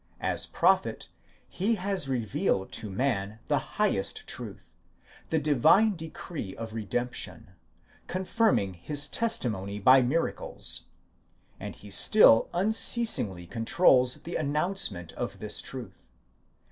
As prophet, he has revealed to man the highest truth, the divine decree of redemption, confirming his testimony by miracles ; and he still un ceasingly controls the announcement of this truth.